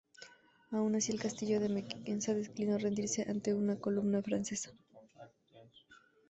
Aun así, el castillo de Mequinenza declinó rendirse ante una columna francesa.